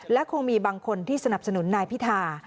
และคงมีบางคนที่สนับสนุนนายพิธา